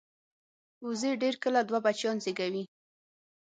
وزې ډېر کله دوه بچیان زېږوي